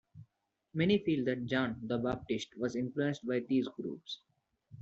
Many feel that John the Baptist was influenced by these groups.